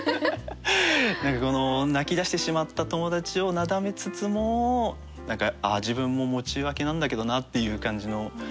何かこの泣き出してしまった友達をなだめつつも何か自分も喪中明けなんだけどなっていう感じの。